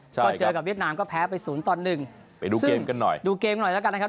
เจอกับเวียดนามก็แพ้ไป๐๑ซึ่งดูเกมกันหน่อยแล้วกันนะครับ